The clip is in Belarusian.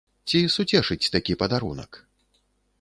Ці суцешыць такі падарунак?